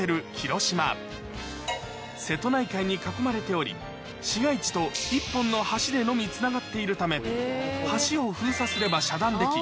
瀬戸内海に囲まれており市街地と一本の橋でのみつながっているため橋を封鎖すれば遮断でき